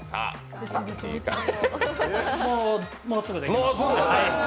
もうすぐできます。